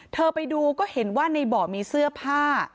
เธอไปดูก็เห็นว่าในบ่อมีเสื้อผ้า